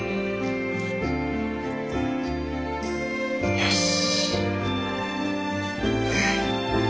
よし。